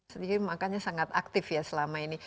jadi makanya sangat aktif ya selama ini